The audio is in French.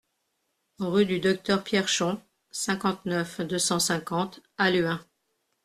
Rue du Docteur Pierchon, cinquante-neuf, deux cent cinquante Halluin